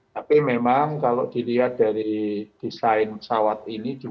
tapi memang kalau dilihat dari desain pesawat ini